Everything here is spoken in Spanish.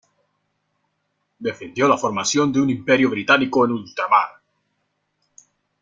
Defendió la formación de un Imperio británico en ultramar.